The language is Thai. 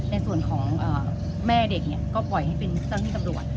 ในส่วนของแม่เด็กก็ปล่อยให้เป็นเจ้าที่ตำรวจ